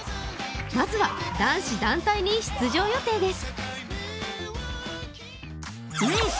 まずは男子団体に出場予定です。